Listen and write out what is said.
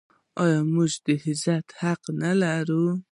آیا موږ د عزت حق نلرو؟